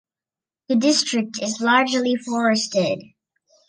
The district is largely forested.